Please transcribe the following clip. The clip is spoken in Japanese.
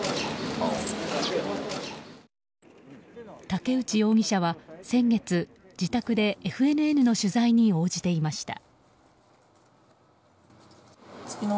竹内容疑者は先月、自宅でＦＮＮの取材に応じていました。